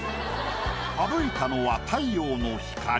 省いたのは太陽の光。